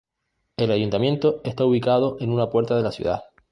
El ayuntamiento está ubicado en una puerta de la ciudad.